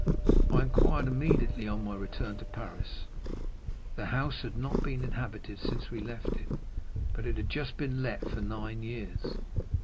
I inquired immediately on my return to Paris; the house had not been inhabited since we left it, but it had just been let for nine years.